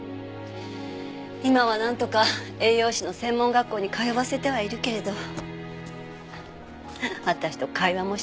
今はなんとか栄養士の専門学校に通わせてはいるけれど私と会話もしてくれない。